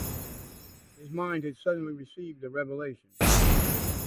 His mind had suddenly received a revelation.